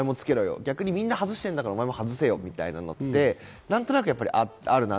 逆に外してんだから、お前も外せよみたいなのって何となくあるなと。